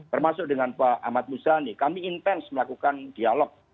termasuk dengan pak ahmad muzani kami intens melakukan dialog